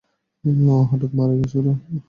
ও হঠাৎ মারা গিয়েছিল।